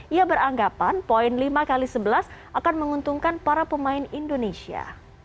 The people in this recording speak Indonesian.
ia beranggapan poin lima x sebelas akan menguntungkan para pemain indonesia